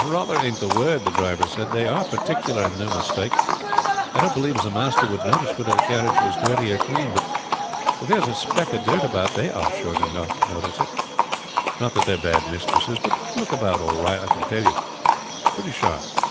"Rather isn't the word," the driver said; "they are particular, and no mistake. I don't believe as the master would notice whether the carriage was dirty or clean; but if there is a speck of dirt about they are sure to spot it. Not that they are bad mistresses; but they look about all right, I can tell you, pretty sharp.